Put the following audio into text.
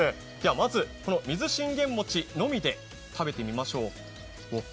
まず水信玄餅のみで食べてみましょう。